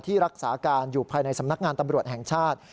รักษาการอยู่ภายในสำนักงานตำรวจแห่งชาติ